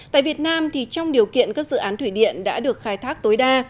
tại việt nam trong điều kiện các dự án thủy điện đã được khai thác tối đa